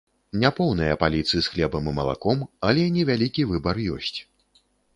Не поўныя паліцы з хлебам і малаком, але невялікі выбар ёсць.